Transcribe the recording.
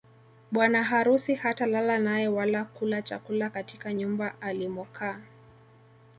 Bwana harusi hatalala naye wala kula chakula katika nyumba alimokaa